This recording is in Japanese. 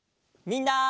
みんな。